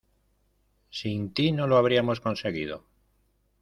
Sin ti no lo habríamos conseguido.